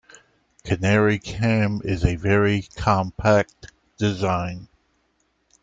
CanariCam is a very compact design.